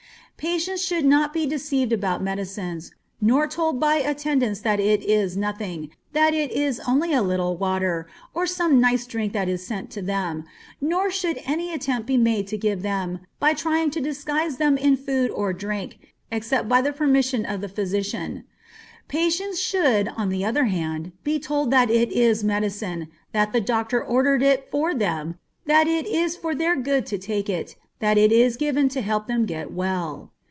Patients should not be deceived about medicines, nor told by attendants that it is nothing, that it is only a little water, or some nice drink that is sent to them, nor should an attempt be made to give them, by trying to disguise them in food or drink, except by the permission of a physician. Patients should, on the other hand, be told that it is medicine, that the doctor ordered it for them, that it is for their good to take it, that it is given to help them get well.